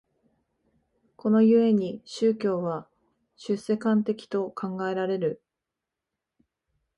この故に宗教は出世間的と考えられる。